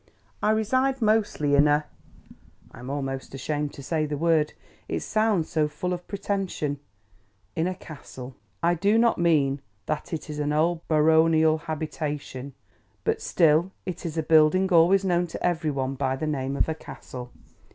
I reside, mostly, in a—I am almost ashamed to say the word, it sounds so full of pretension—in a Castle. I do not mean that it is an old baronial habitation, but still it is a building always known to every one by the name of a Castle.